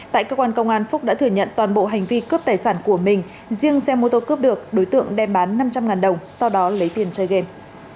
tại cơ quan công an phúc đã thừa nhận toàn bộ hành vi cướp tài sản của mình riêng xe mô tô cướp được đối tượng đem bán năm trăm linh đồng sau đó lấy tiền chơi game